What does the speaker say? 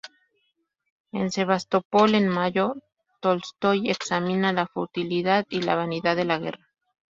En "Sebastopol en mayo," Tolstói examina la futilidad y la vanidad de la guerra.